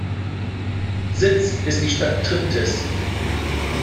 Sitz ist die Stadt Triptis.